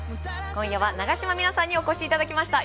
今夜は長島三奈さんにお越しいただきました。